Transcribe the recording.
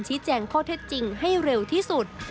แจ้งข้อเท็จจริงให้เร็วที่สุด